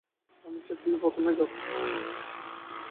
আমি চাই তুমি প্রথমে যাও।